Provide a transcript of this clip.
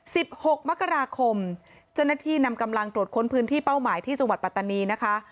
หกมกราคมเจ้าหน้าที่นำกำลังตรวจค้นพื้นที่เป้าหมายที่จังหวัดปัตตานีนะคะ